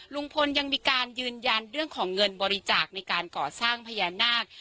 ลุงพลยังมีการยืนยันเรื่องของเงินบริจาคในการก่อสร้างพญานาค